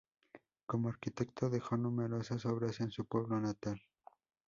Como arquitecto dejó numerosas obras en su pueblo natal.